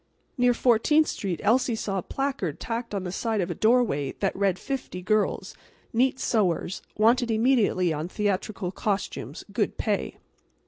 Near Fourteenth street Elsie saw a placard tacked on the side of a doorway that read: "Fifty girls, neat sewers, wanted immediately on theatrical costumes. Good pay."